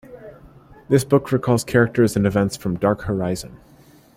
This book recalls characters and events from "Dark Horizon".